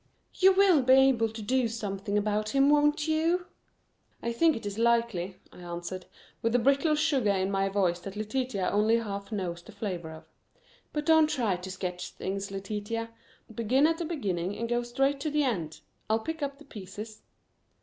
You will be able to do something about him, won't you?" "I think it is likely," I answered, with the brittle sugar in my voice that Letitia only half knows the flavor of. "But don't try to sketch things, Letitia. Begin at the beginning and go straight to the end; I'll pick up the pieces."